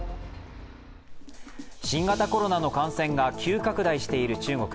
新型コロナの感染が急拡大している中国。